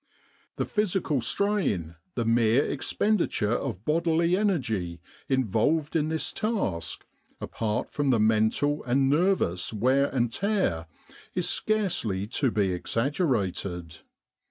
The physical strain, the mere expenditure of bodily energy, involved in this task, apart from the mental and nervous wear and tear, is scarcely to be exaggerated.